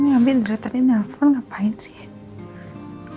ini abis dari tadi nelpon ngapain sih